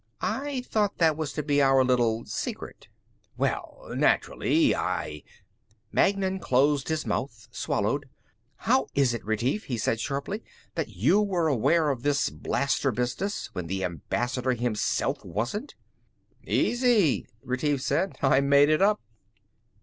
"I thought that was to be our little secret." "Well, naturally I " Magnan closed his mouth, swallowed. "How is it, Retief," he said sharply, "that you were aware of this blaster business, when the Ambassador himself wasn't?" "Easy," Retief said. "I made it up."